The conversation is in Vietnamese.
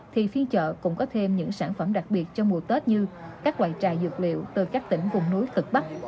thì phiên chợ cũng có thêm những sản phẩm đặc biệt trong mùa tết như các loại trài dược liệu từ các tỉnh vùng núi cực bắc